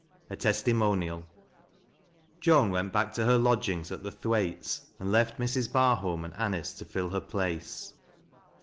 A. TEBTntONIAl. JoAiii went back to her lodgings at the Thieaites' and left Mrs. Barholm and Anice to fill her place.